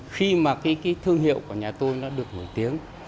khi mà cái thương hiệu của nhà tôi nó được nổi tiếng